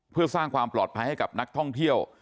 เพื่อสร้างความปลอดภัยให้กับนักท่องเที่ยว